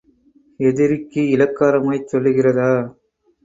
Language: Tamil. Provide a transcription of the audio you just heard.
எதிரிக்கு இளக்காரமாய்ச் சொல்லுகிறதா?